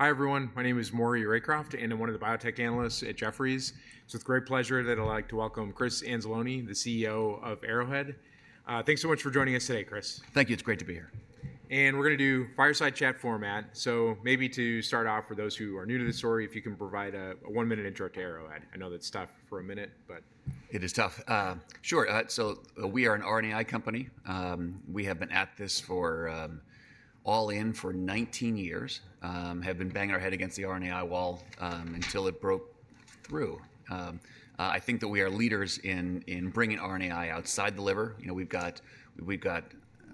Hi everyone, my name is Maury Raycroft, and I'm one of the biotech analysts at Jefferies. It's with great pleasure that I'd like to welcome Chris Anzalone, the CEO of Arrowhead. Thanks so much for joining us today, Chris. Thank you, it's great to be here. And we're going to do fireside chat format. So maybe to start off, for those who are new to the story, if you can provide a one-minute intro to Arrowhead. I know that's tough for a minute, but. It is tough. Sure, so we are an RNAi company. We have been all in for 19 years, banging our head against the RNAi wall until it broke through. I think that we are leaders in bringing RNAi outside the liver. You know, we've got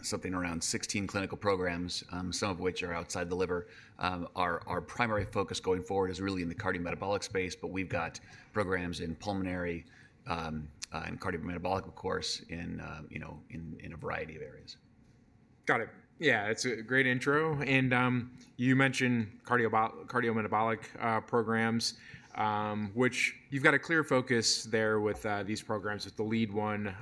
something around 16 clinical programs, some of which are outside the liver. Our primary focus going forward is really in the cardiometabolic space, but we've got programs in pulmonary and cardiometabolic, of course, in a variety of areas. Got it. Yeah, that's a great intro. And you mentioned cardiometabolic programs, which you've got a clear focus there with these programs, with the lead one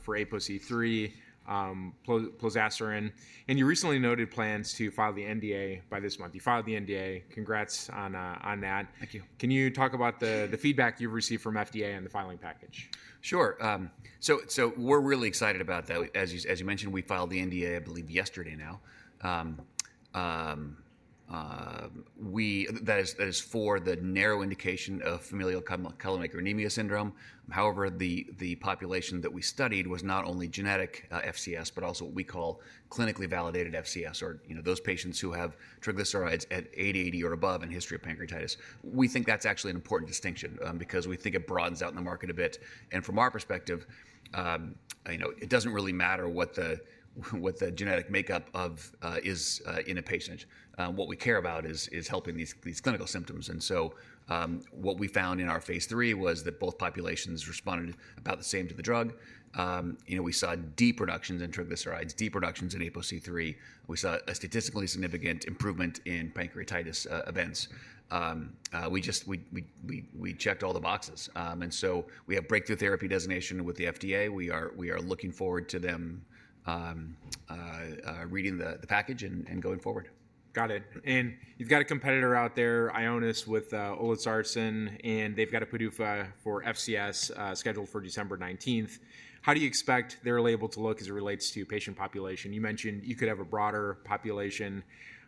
for APOC3, Plozasiran. And you recently noted plans to file the NDA by this month. You filed the NDA, congrats on that. Thank you. Can you talk about the feedback you've received from FDA on the filing package? Sure. We're really excited about that. As you mentioned, we filed the NDA, I believe, yesterday now. That is for the narrow indication of familial chylomicronemia syndrome. However, the population that we studied was not only genetic FCS, but also what we call clinically validated FCS, or those patients who have triglycerides at 880 or above and a history of pancreatitis. We think that's actually an important distinction because we think it broadens out in the market a bit. From our perspective, it doesn't really matter what the genetic makeup is in a patient. What we care about is helping these clinical symptoms. What we found in our phase III was that both populations responded about the same to the drug. We saw reductions in triglycerides, reductions in APOC3. We saw a statistically significant improvement in pancreatitis events. We checked all the boxes. And so we have breakthrough therapy designation with the FDA. We are looking forward to them reading the package and going forward. Got it. And you've got a competitor out there, Ionis with Olezarsen, and they've got a PDUFA for FCS scheduled for December 19th. How do you expect their label to look as it relates to patient population? You mentioned you could have a broader population.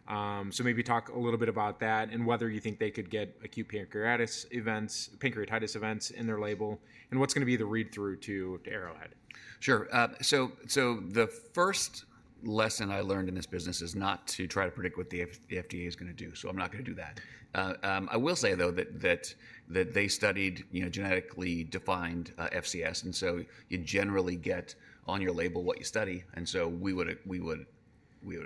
So maybe talk a little bit about that and whether you think they could get acute pancreatitis events in their label and what's going to be the read-through to Arrowhead? Sure. So the first lesson I learned in this business is not to try to predict what the FDA is going to do. So I'm not going to do that. I will say, though, that they studied genetically defined FCS. And so you generally get on your label what you study. And so we would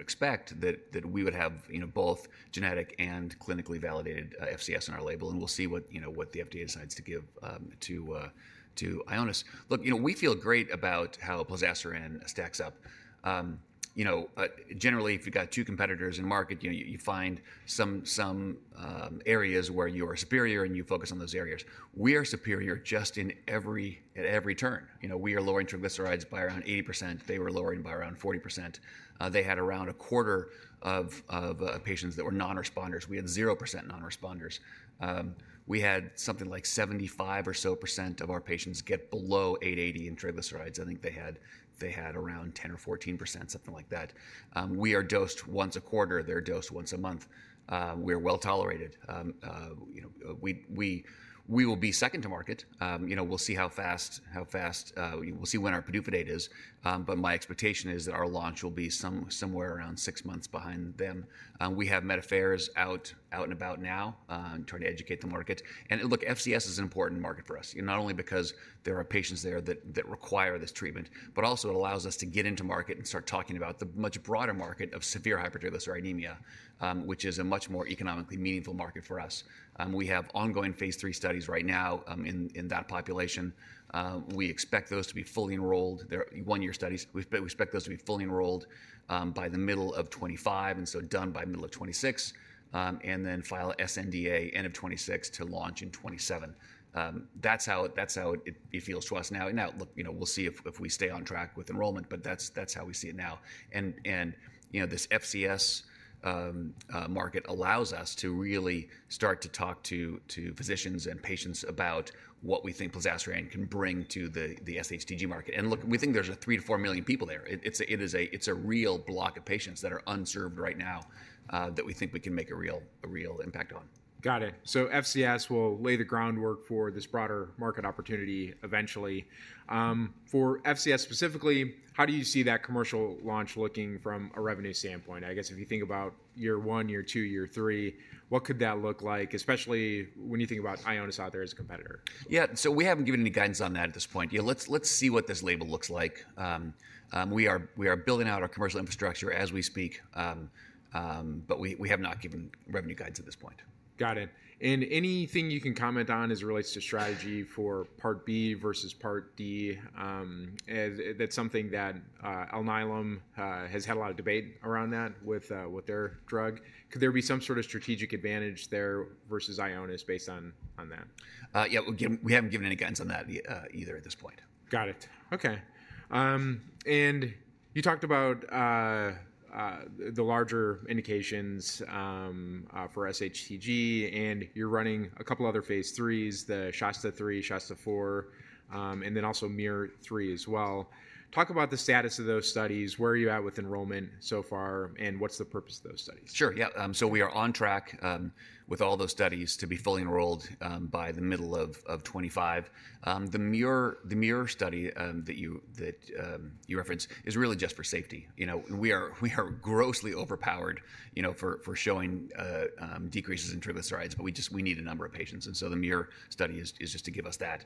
expect that we would have both genetic and clinically validated FCS in our label. And we'll see what the FDA decides to give to Ionis. Look, we feel great about how Plozasiran stacks up. Generally, if you've got two competitors in the market, you find some areas where you are superior and you focus on those areas. We are superior just at every turn. We are lowering triglycerides by around 80%. They were lowering by around 40%. They had around a quarter of patients that were non-responders. We had 0% non-responders. We had something like 75% or so of our patients get below 880 in triglycerides. I think they had around 10% or 14%, something like that. We are dosed once a quarter. They are dosed once a month. We are well tolerated. We will be second to market. We will see how fast we will see when our PDUFA date is. But my expectation is that our launch will be somewhere around six months behind them. We have med affairs out and about now trying to educate the market. Look, FCS is an important market for us, not only because there are patients there that require this treatment, but also it allows us to get into market and start talking about the much broader market of severe hypertriglyceridemia, which is a much more economically meaningful market for us. We have ongoing phase III studies right now in that population. We expect those to be fully enrolled. They're one-year studies. We expect those to be fully enrolled by the middle of 2025 and so done by the middle of 2026, and then file sNDA end of 2026 to launch in 2027. That's how it feels to us now. Now, look, we'll see if we stay on track with enrollment, but that's how we see it now. And this FCS market allows us to really start to talk to physicians and patients about what we think Plozasiran can bring to the SHTG market. And look, we think there's a three to four million people there. It's a real block of patients that are unserved right now that we think we can make a real impact on. Got it. So FCS will lay the groundwork for this broader market opportunity eventually. For FCS specifically, how do you see that commercial launch looking from a revenue standpoint? I guess if you think about year one, year two, year three, what could that look like, especially when you think about Ionis out there as a competitor? Yeah, so we haven't given any guidance on that at this point. Let's see what this label looks like. We are building out our commercial infrastructure as we speak, but we have not given revenue guides at this point. Got it. And anything you can comment on as it relates to strategy for part B versus part D? That's something that Alnylam has had a lot of debate around that with their drug. Could there be some sort of strategic advantage there versus Ionis based on that? Yeah, we haven't given any guidance on that either at this point. Got it. Okay. And you talked about the larger indications for SHTG, and you're running a couple of other phase IIIs, the SHASTA-3, SHASTA-4, and then also MUIR-3 as well. Talk about the status of those studies. Where are you at with enrollment so far, and what's the purpose of those studies? Sure, yeah. We are on track with all those studies to be fully enrolled by the middle of 2025. The MUIR study that you referenced is really just for safety. We are grossly overpowered for showing decreases in triglycerides, but we need a number of patients. And so the MUIR study is just to give us that.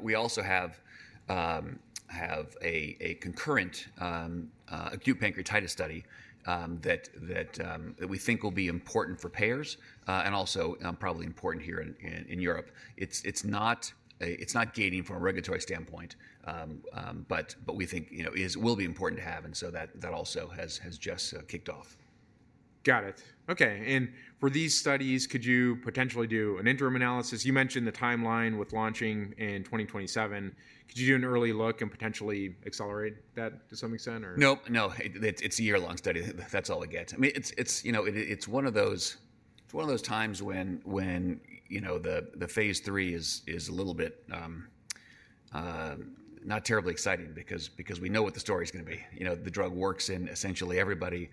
We also have a concurrent acute pancreatitis study that we think will be important for payers and also probably important here in Europe. It's not gating from a regulatory standpoint, but we think it will be important to have. And so that also has just kicked off. Got it. Okay. And for these studies, could you potentially do an interim analysis? You mentioned the timeline with launching in 2027. Could you do an early look and potentially accelerate that to some extent? Nope, no. It's a year-long study. That's all it gets. I mean, it's one of those times when the phase III is a little bit not terribly exciting because we know what the story is going to be. The drug works in essentially everybody.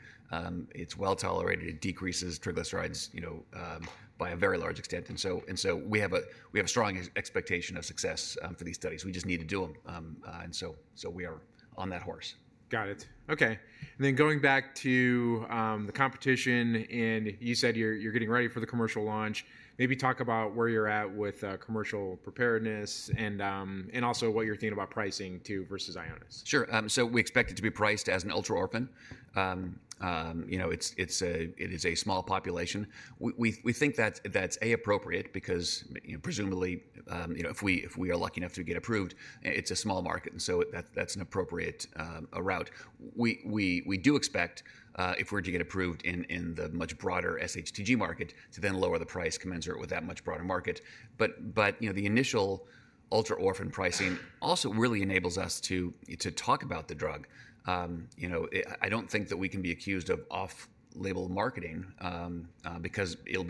It's well tolerated. It decreases triglycerides by a very large extent, and so we have a strong expectation of success for these studies. We just need to do them, and so we are on that horse. Got it. Okay. And then going back to the competition, and you said you're getting ready for the commercial launch. Maybe talk about where you're at with commercial preparedness and also what you're thinking about pricing too versus Ionis? Sure. So we expect it to be priced as an ultra-orphan. It is a small population. We think that's appropriate because presumably, if we are lucky enough to get approved, it's a small market. And so that's an appropriate route. We do expect, if we're to get approved in the much broader SHTG market, to then lower the price, commensurate with that much broader market. But the initial ultra-orphan pricing also really enables us to talk about the drug. I don't think that we can be accused of off-label marketing because it will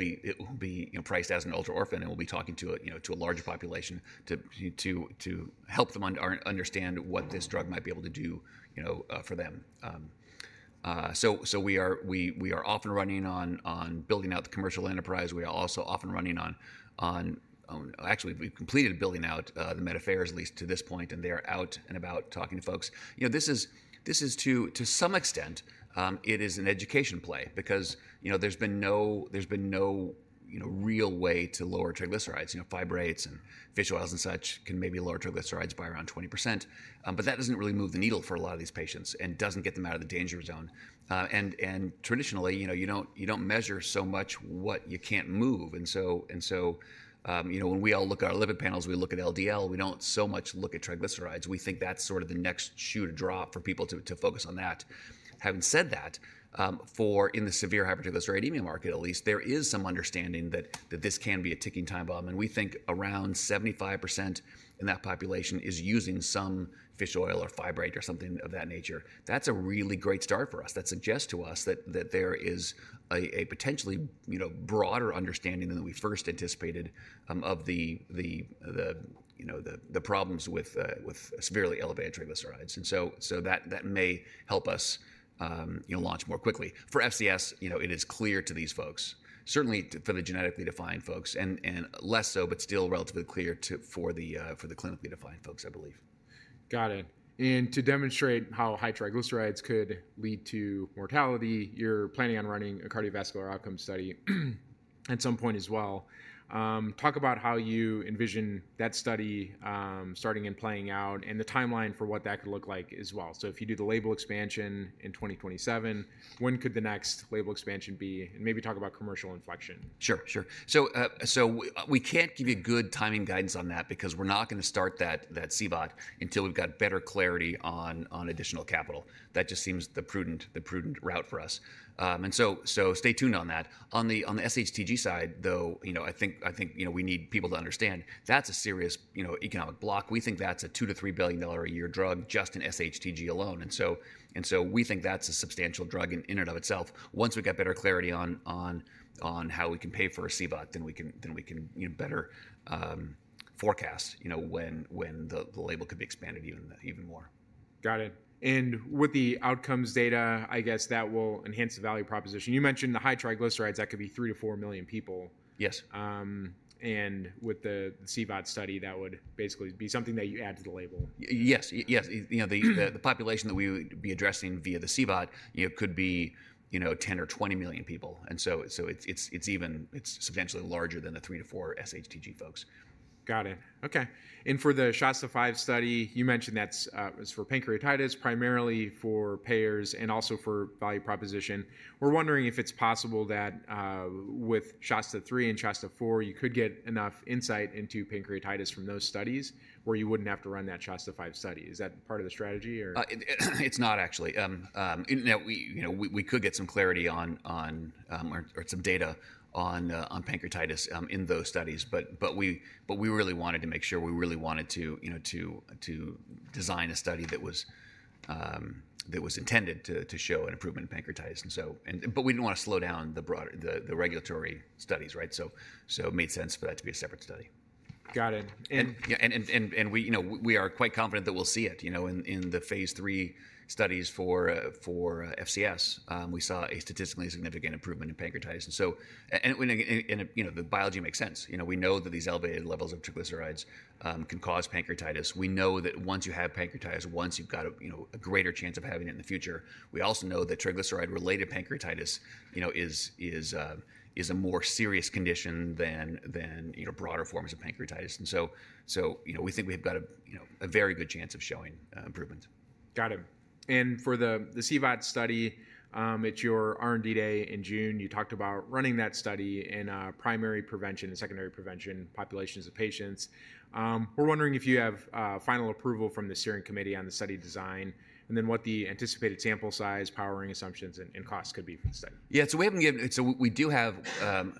be priced as an ultra-orphan, and we'll be talking to a larger population to help them understand what this drug might be able to do for them. So we are often running on building out the commercial enterprise. We are also often running on, actually, we've completed building out the med affairs at least to this point, and they are out and about talking to folks. This is to some extent. It is an education play because there's been no real way to lower triglycerides. Fibrates and fish oils and such can maybe lower triglycerides by around 20%. But that doesn't really move the needle for a lot of these patients and doesn't get them out of the danger zone, and traditionally, you don't measure so much what you can't move. And so when we all look at our lipid panels, we look at LDL, we don't so much look at triglycerides. We think that's sort of the next shoe to drop for people to focus on that. Having said that, for in the severe hypertriglyceridemia market at least, there is some understanding that this can be a ticking time bomb. And we think around 75% in that population is using some fish oil or fibrate or something of that nature. That's a really great start for us. That suggests to us that there is a potentially broader understanding than we first anticipated of the problems with severely elevated triglycerides. And so that may help us launch more quickly. For FCS, it is clear to these folks, certainly for the genetically defined folks, and less so, but still relatively clear for the clinically defined folks, I believe. Got it. And to demonstrate how high triglycerides could lead to mortality, you're planning on running a cardiovascular outcome study at some point as well. Talk about how you envision that study starting and playing out and the timeline for what that could look like as well. So if you do the label expansion in 2027, when could the next label expansion be? And maybe talk about commercial inflection. Sure, sure. So we can't give you good timing guidance on that because we're not going to start that CVOT until we've got better clarity on additional capital. That just seems the prudent route for us. And so stay tuned on that. On the SHTG side, though, I think we need people to understand that's a serious economic block. We think that's a $2 billion-$3 billion a year drug just in SHTG alone. And so we think that's a substantial drug in and of itself. Once we've got better clarity on how we can pay for a CVOT, then we can better forecast when the label could be expanded even more. Got it. And with the outcomes data, I guess that will enhance the value proposition. You mentioned the high triglycerides, that could be three to four million people. Yes. With the CVOT study, that would basically be something that you add to the label. Yes, yes. The population that we would be addressing via the CVOT could be 10 or 20 million people. And so it's substantially larger than the three to four SHTG folks. Got it. Okay. And for the SHASTA-5 study, you mentioned that's for pancreatitis, primarily for payers and also for value proposition. We're wondering if it's possible that with SHASTA-3 and SHASTA-4, you could get enough insight into pancreatitis from those studies where you wouldn't have to run that SHASTA-5 study. Is that part of the strategy or? It's not, actually. We could get some clarity on or some data on pancreatitis in those studies, but we really wanted to make sure to design a study that was intended to show an improvement in pancreatitis. But we didn't want to slow down the regulatory studies, right? So it made sense for that to be a separate study. Got it. We are quite confident that we'll see it in the phase III studies for FCS. We saw a statistically significant improvement in pancreatitis. The biology makes sense. We know that these elevated levels of triglycerides can cause pancreatitis. We know that once you have pancreatitis, once you've got a greater chance of having it in the future, we also know that triglyceride-related pancreatitis is a more serious condition than broader forms of pancreatitis. We think we've got a very good chance of showing improvement. Got it. And for the CVOT study, at your R&D day in June, you talked about running that study in a primary prevention and secondary prevention populations of patients. We're wondering if you have final approval from the steering committee on the study design and then what the anticipated sample size, powering assumptions, and costs could be for the study? Yeah, so we do have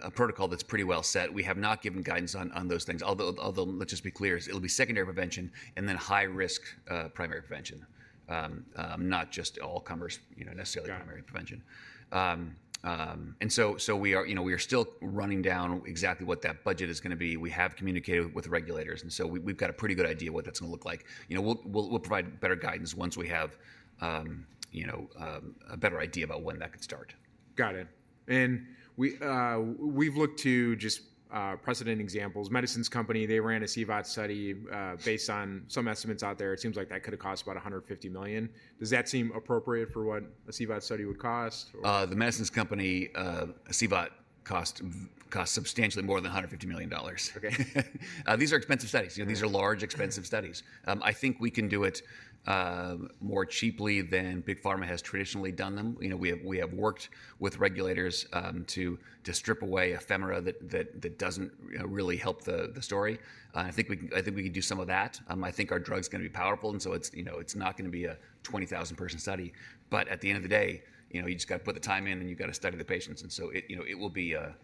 a protocol that's pretty well set. We have not given guidance on those things. Although let's just be clear, it'll be secondary prevention and then high-risk primary prevention, not just all-comers, necessarily primary prevention. And so we are still running down exactly what that budget is going to be. We have communicated with regulators. And so we've got a pretty good idea of what that's going to look like. We'll provide better guidance once we have a better idea about when that could start. Got it. And we've looked to just precedent examples. The Medicines Company, they ran a CVOT study based on some estimates out there. It seems like that could have cost about $150 million. Does that seem appropriate for what a CVOT study would cost? The Medicines Company, a CVOT costs substantially more than $150 million. These are expensive studies. These are large, expensive studies. I think we can do it more cheaply than Big Pharma has traditionally done them. We have worked with regulators to strip away ephemera that doesn't really help the story. I think we can do some of that. I think our drug's going to be powerful. And so it's not going to be a 20,000-person study. But at the end of the day, you just got to put the time in and you've got to study the patients. And so it will be an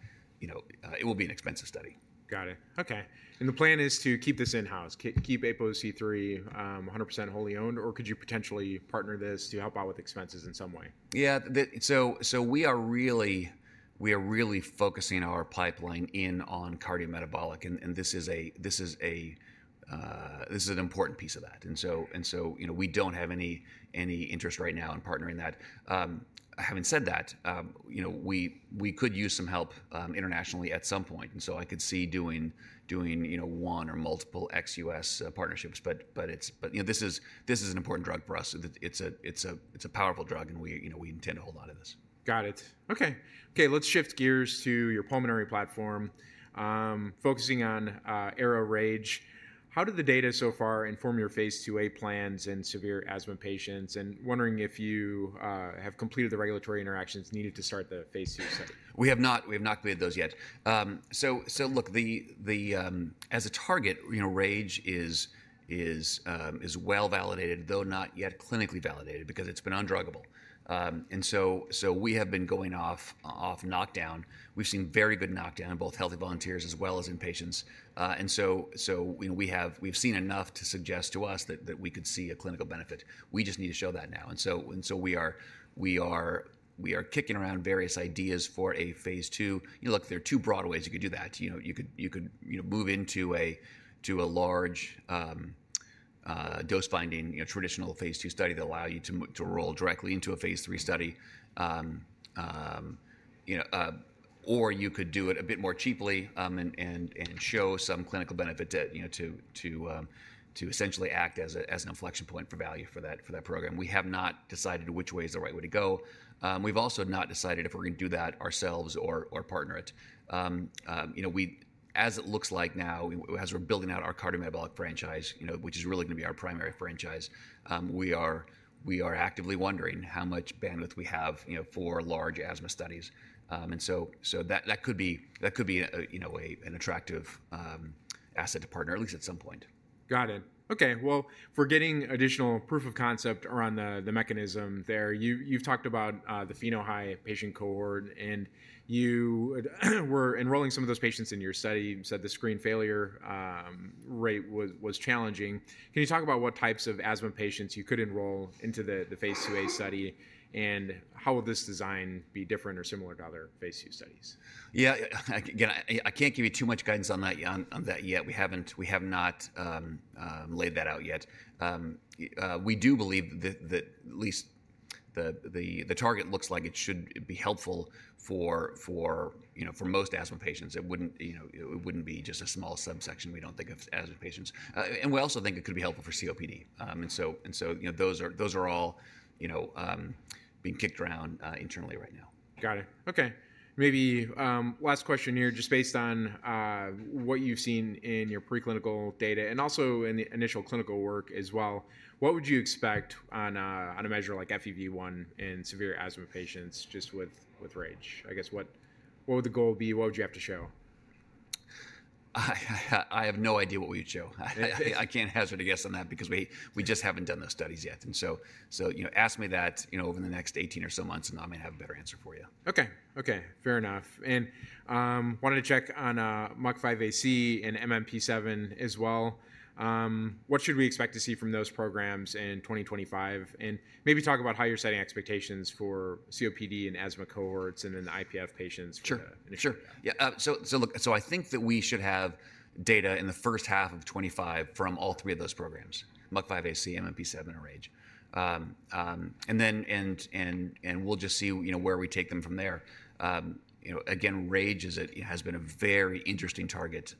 expensive study. Got it. Okay. And the plan is to keep this in-house, keep APOC3 100% wholly owned, or could you potentially partner this to help out with expenses in some way? Yeah. So we are really focusing our pipeline in on cardiometabolic, and this is an important piece of that, and so we don't have any interest right now in partnering that. Having said that, we could use some help internationally at some point, and so I could see doing one or multiple ex-U.S. partnerships, but this is an important drug for us. It's a powerful drug, and we intend a whole lot of this. Got it. Okay, let's shift gears to your pulmonary platform, focusing on ARO-RAGE. How did the data so far inform your phase IIa plans and severe asthma patients? And wondering if you have completed the regulatory interactions needed to start the phase II study? We have not. We have not completed those yet, so look, as a target, RAGE is well validated, though not yet clinically validated because it's been undruggable, and so we have been going off knockdown. We've seen very good knockdown in both healthy volunteers as well as in patients, and so we've seen enough to suggest to us that we could see a clinical benefit. We just need to show that now, and so we are kicking around various ideas for a phase II. Look, there are two broad ways you could do that. You could move into a large dose-finding traditional phase II study that allow you to roll directly into a phase III study. Or you could do it a bit more cheaply and show some clinical benefit to essentially act as an inflection point for value for that program. We have not decided which way is the right way to go. We've also not decided if we're going to do that ourselves or partner it. As it looks like now, as we're building out our cardiometabolic franchise, which is really going to be our primary franchise, we are actively wondering how much bandwidth we have for large asthma studies, and so that could be an attractive asset to partner, at least at some point. Got it. Okay. Well, for getting additional proof of concept around the mechanism there, you've talked about the FeNO-high patient cohort, and you were enrolling some of those patients in your study. You said the screen failure rate was challenging. Can you talk about what types of asthma patients you could enroll into the phase IIa study and how will this design be different or similar to other phase II studies? Yeah. Again, I can't give you too much guidance on that yet. We have not laid that out yet. We do believe that at least the target looks like it should be helpful for most asthma patients. It wouldn't be just a small subsection. We don't think of asthma patients. And we also think it could be helpful for COPD. And so those are all being kicked around internally right now. Got it. Okay. Maybe last question here, just based on what you've seen in your preclinical data and also in the initial clinical work as well, what would you expect on a measure like FEV1 in severe asthma patients just with RAGE? I guess what would the goal be? What would you have to show? I have no idea what we would show. I can't hazard a guess on that because we just haven't done those studies yet, and so ask me that over the next 18 or so months, and I may have a better answer for you. Okay. Okay. Fair enough, and wanted to check on MUC5AC and MMP7 as well. What should we expect to see from those programs in 2025, and maybe talk about how you're setting expectations for COPD and asthma cohorts and then the IPF patients for the initial study. Sure. So look, so I think that we should have data in the first half of 2025 from all three of those programs, MUC5AC, MMP7, and RAGE. And then we'll just see where we take them from there. Again, RAGE has been a very interesting target,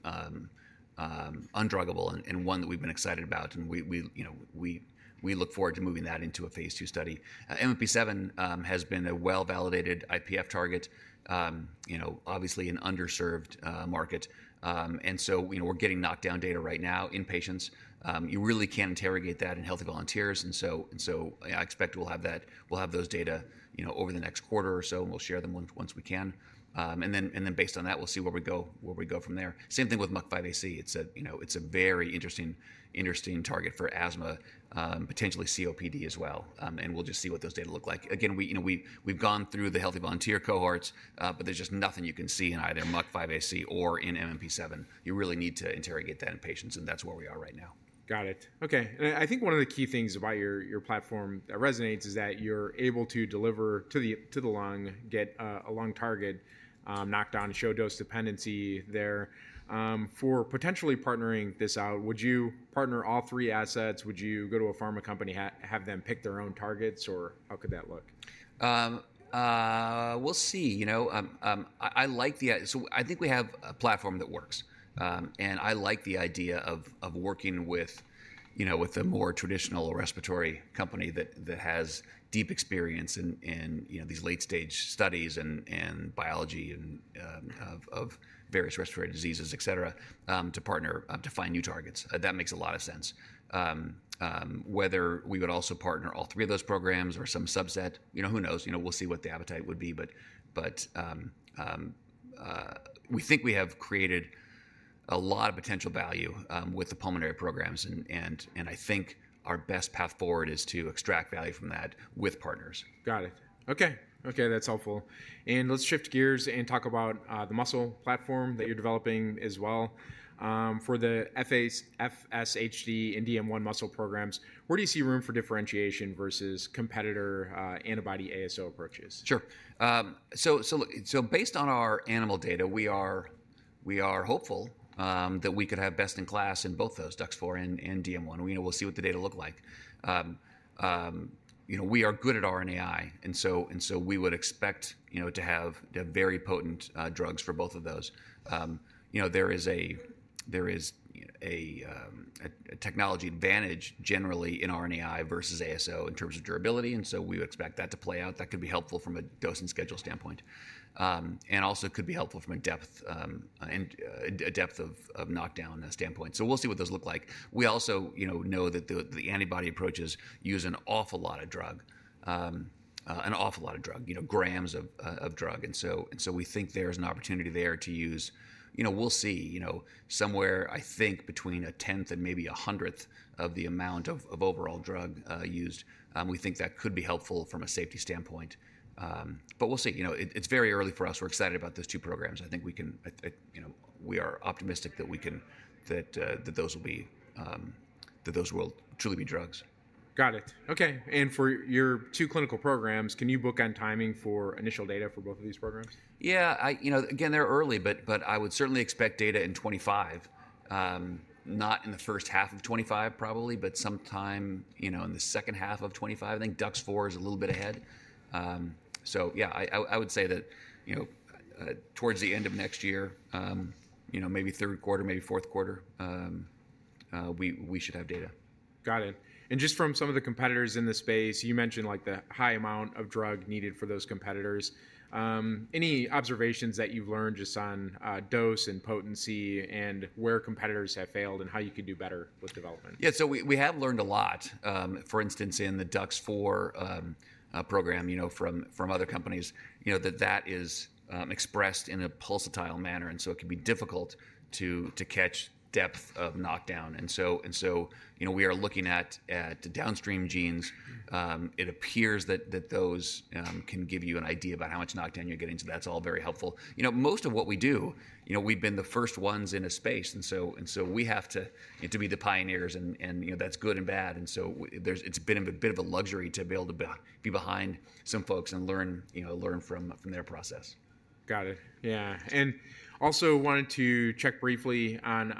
undruggable, and one that we've been excited about. And we look forward to moving that into a phase II study. MMP7 has been a well-validated IPF target, obviously an underserved market. And so we're getting knockdown data right now in patients. You really can't interrogate that in healthy volunteers. And so I expect we'll have those data over the next quarter or so, and we'll share them once we can. And then based on that, we'll see where we go from there. Same thing with MUC5AC. It's a very interesting target for asthma, potentially COPD as well. We'll just see what those data look like. Again, we've gone through the healthy volunteer cohorts, but there's just nothing you can see in either MUC5AC or in MMP7. You really need to interrogate that in patients, and that's where we are right now. Got it. Okay. And I think one of the key things about your platform that resonates is that you're able to deliver to the lung, get a lung target, knockdown, show dose dependency there. For potentially partnering this out, would you partner all three assets? Would you go to a pharma company, have them pick their own targets, or how could that look? We'll see. I like the idea. So I think we have a platform that works. And I like the idea of working with a more traditional respiratory company that has deep experience in these late-stage studies and biology of various respiratory diseases, etc., to partner to find new targets. That makes a lot of sense. Whether we would also partner all three of those programs or some subset, who knows? We'll see what the appetite would be. But we think we have created a lot of potential value with the pulmonary programs. And I think our best path forward is to extract value from that with partners. Got it. Okay. Okay, that's helpful. And let's shift gears and talk about the muscle platform that you're developing as well. For the FSHD and DM1 muscle programs, where do you see room for differentiation versus competitor antibody ASO approaches? Sure. So look, so based on our animal data, we are hopeful that we could have best in class in both those, DUX4 and DM1. We'll see what the data look like. We are good at RNAi. And so we would expect to have very potent drugs for both of those. There is a technology advantage generally in RNAi versus ASO in terms of durability. And so we would expect that to play out. That could be helpful from a dose and schedule standpoint and also could be helpful from a depth of knockdown standpoint. So we'll see what those look like. We also know that the antibody approaches use an awful lot of drug, an awful lot of drug, grams of drug. And so we think there's an opportunity there to use. We'll see. Somewhere, I think, between a tenth and maybe a hundredth of the amount of overall drug used, we think that could be helpful from a safety standpoint. But we'll see. It's very early for us. We're excited about those two programs. I think we are optimistic that those will truly be drugs. Got it. Okay. And for your two clinical programs, can you talk on timing for initial data for both of these programs? Yeah. Again, they're early, but I would certainly expect data in 2025, not in the first half of 2025 probably, but sometime in the second half of 2025. I think DUX4 is a little bit ahead. So yeah, I would say that towards the end of next year, maybe third quarter, maybe fourth quarter, we should have data. Got it. And just from some of the competitors in the space, you mentioned the high amount of drug needed for those competitors. Any observations that you've learned just on dose and potency and where competitors have failed and how you could do better with development? Yeah. So we have learned a lot. For instance, in the DUX4 program from other companies, that is expressed in a pulsatile manner. And so it can be difficult to catch depth of knockdown. And so we are looking at downstream genes. It appears that those can give you an idea about how much knockdown you're getting. So that's all very helpful. Most of what we do, we've been the first ones in a space. And so we have to be the pioneers. And that's good and bad. And so it's been a bit of a luxury to be able to be behind some folks and learn from their process. Got it. Yeah. And also wanted to check briefly on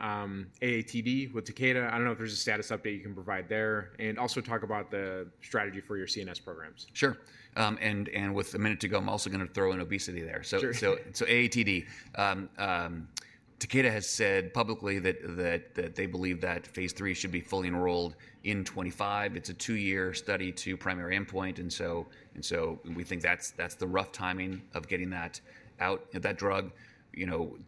AATD with Takeda. I don't know if there's a status update you can provide there and also talk about the strategy for your CNS programs. Sure. And with a minute to go, I'm also going to throw in obesity there. So AATD, Takeda has said publicly that they believe that phase III should be fully enrolled in 2025. It's a two-year study to primary endpoint. And so we think that's the rough timing of getting that out. That drug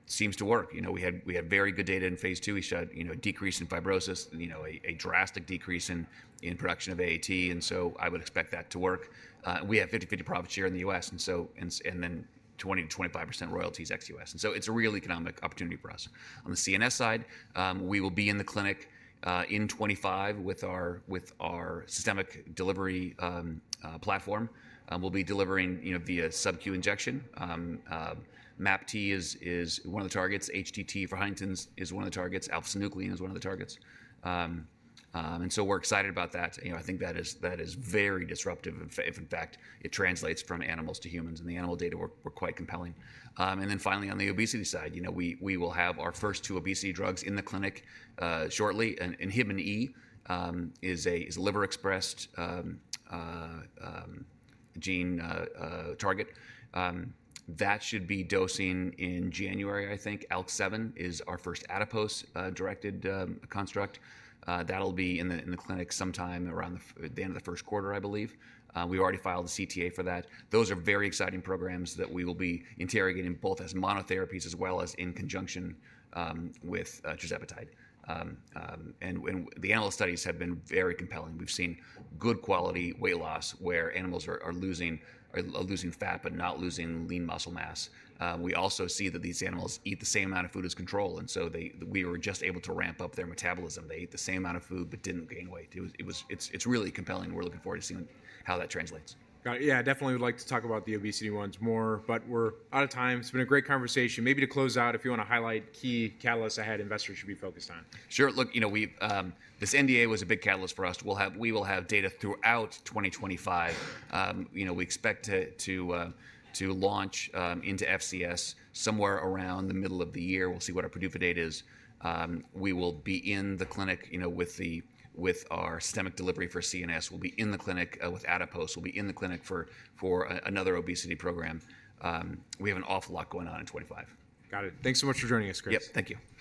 seems to work. We had very good data in phase II. We saw a decrease in fibrosis, a drastic decrease in production of AAT. And so I would expect that to work. We have 50/50 profits here in the U.S., and then 20%-25% royalties ex-U.S. And so it's a real economic opportunity for us. On the CNS side, we will be in the clinic in 2025 with our systemic delivery platform. We'll be delivering via subQ injection. MAPT is one of the targets. HTT for Huntington's is one of the targets. Alpha-synuclein is one of the targets, and so we're excited about that. I think that is very disruptive. If in fact it translates from animals to humans and the animal data were quite compelling, and then finally, on the obesity side, we will have our first two obesity drugs in the clinic shortly. And INHBE is a liver-expressed gene target. That should be dosing in January, I think. ALK7 is our first adipose-directed construct. That'll be in the clinic sometime around the end of the first quarter, I believe. We've already filed the CTA for that. Those are very exciting programs that we will be interrogating both as monotherapies as well as in conjunction with tirzepatide, and the animal studies have been very compelling. We've seen good quality weight loss where animals are losing fat but not losing lean muscle mass. We also see that these animals eat the same amount of food as control, and so we were just able to ramp up their metabolism. They ate the same amount of food but didn't gain weight. It's really compelling. We're looking forward to seeing how that translates. Got it. Yeah. Definitely would like to talk about the obesity ones more, but we're out of time. It's been a great conversation. Maybe to close out, if you want to highlight key catalysts that investors should be focused on. Sure. Look, this NDA was a big catalyst for us. We will have data throughout 2025. We expect to launch into FCS somewhere around the middle of the year. We'll see what our PDUFA date is. We will be in the clinic with our systemic delivery for CNS. We'll be in the clinic with adipose. We'll be in the clinic for another obesity program. We have an awful lot going on in 2025. Got it. Thanks so much for joining us, Chris. Yep. Thank you.